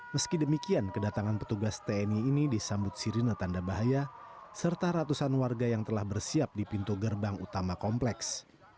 meski demikian kedatangan petugas tni ini disambut sirine tanda bahaya serta ratusan warga yang telah bersiap di pintu gerbang utama kompleks